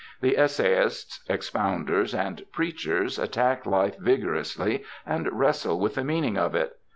The essayists, expounders, and preachers attack life vigorously and wrestle with the meaning of it.